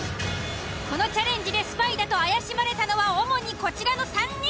このチャレンジでスパイだと怪しまれたのは主にこちらの３人。